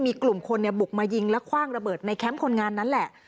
มีกลุ่มคนบุกมายิงและคว่างระเบิดในแคมป์คนงานนั้นแหละ